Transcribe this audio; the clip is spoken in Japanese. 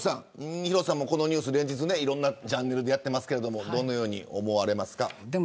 Ｈｉｒｏさん、このニュース連日いろんなチャンネルでやってますけれどもどのように思われますか。